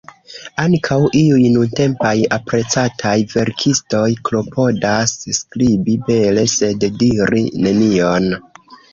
Ankaŭ iuj nuntempaj, aprecataj verkistoj klopodas skribi bele, sed diri nenion.